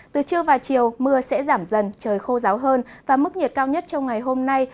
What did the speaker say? từ trưa và chiều mưa sẽ giảm dần trời khô ráo hơn và mức nhiệt cao nhất trong ngày hôm nay